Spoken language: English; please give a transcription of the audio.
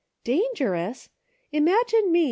" Dangerous ! Imagine me.